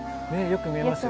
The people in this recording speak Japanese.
よく見えます。